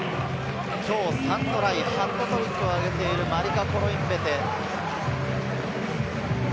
今日３トライ、ハットトリックを挙げている、マリカ・コロインベテ。